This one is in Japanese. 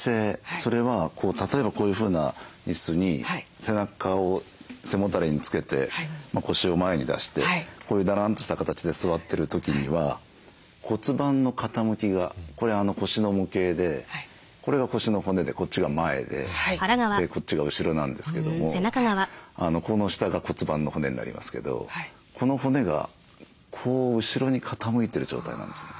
それは例えばこういうふうな椅子に背中を背もたれにつけて腰を前に出してこういうダランとした形で座ってる時には骨盤の傾きがこれ腰の模型でこれが腰の骨でこっちが前でこっちが後ろなんですけどもこの下が骨盤の骨になりますけどこの骨がこう後ろに傾いてる状態なんですね。